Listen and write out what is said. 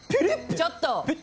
ちょっと！